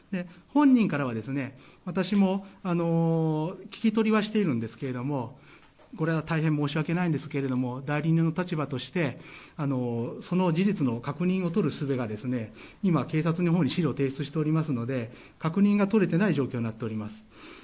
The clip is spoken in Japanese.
本人からは私も聞き取りはしているんですけれど大変申し訳ないんですけれども代理人の立場としてその事実の確認をとるすべが今、警察のほうに資料を提出していますので確認が取れていない状態となっています。